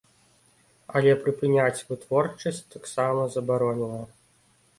Але прыпыняць вытворчасць таксама забаронена.